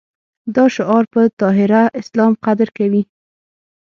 دا شعار په ظاهره اسلام قدر کوي.